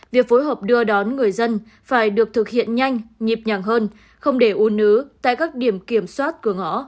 việc phối hợp đưa đón người dân phải được thực hiện nhanh nhịp nhàng hơn không để u nứ tại các điểm kiểm soát cửa ngõ